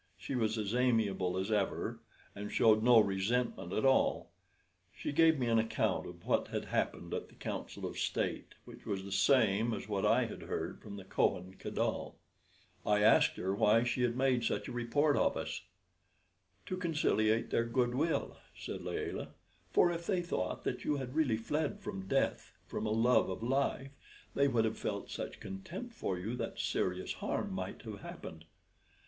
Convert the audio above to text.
She was as amiable as ever, and showed no resentment at all. She gave me an account of what had happened at the Council of State, which was the same as what I had heard from the Kohen Gadol. I asked her why she had made such a report of us. "To conciliate their good will," said Layelah. "For if they thought that you had really fled from death from a love of life, they would have felt such contempt for you that serious harm might have happened."